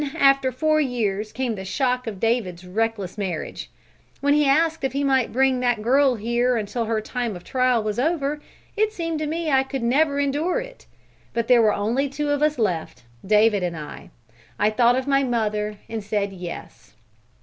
Then, after four years came the shock of David's reckless marriage. When he asked if he might bring that girl here until her time of trial was over, it seemed to me I could never endure it! But there were only two of us left, David and I; I thought of mother and said yes."